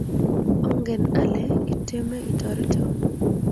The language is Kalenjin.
ongen ale itieme itoretoo